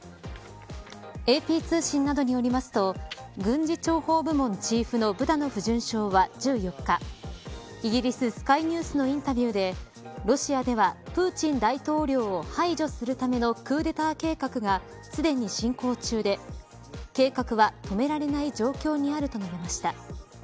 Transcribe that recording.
ＡＰ通信などによりますと軍事諜報部門チーフのブダノフ准将は１４日、イギリススカイニュースのインタビューでロシアでは、プーチン大統領を排除するためのクーデター計画がすでに進行中で計画は止められない状況にあると述べました。